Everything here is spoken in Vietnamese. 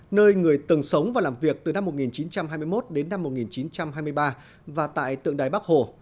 nơi người từng sống và làm việc từ năm một nghìn chín trăm hai mươi một đến năm một nghìn chín trăm hai mươi ba và tại tượng đài bắc hồ